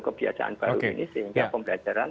kebiasaan baru ini sehingga pembelajaran